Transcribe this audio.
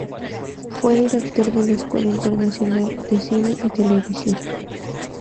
Fue director de la Escuela Internacional de Cine y Televisión.